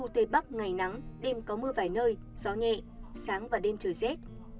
tây bắc ngày nắng đêm có mưa vài nơi gió nhẹ sáng và đêm trời rét